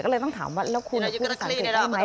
ก็เลยต้องถามว่าแล้วคุณจะคุยกันได้ไหม